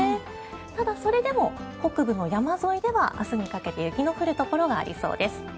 ただ、それでも北部の山沿いでは明日にかけて雪の降るところがありそうです。